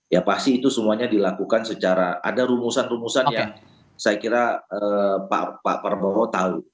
ya pasti itu semuanya dilakukan secara ada rumusan rumusan yang saya kira pak prabowo tahu